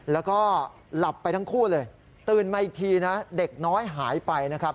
แล้วก็หลับไปทั้งคู่เลยตื่นมาอีกทีนะเด็กน้อยหายไปนะครับ